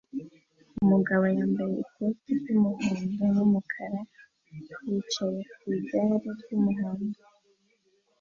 Umugabo wambaye ikoti ry'umuhondo n'umukara yicaye ku igare ry'umuhondo